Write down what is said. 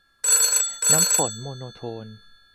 น้ำฝน โมโนโทน